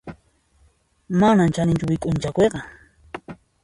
Manan chaninchu wik'uña chakuyqa.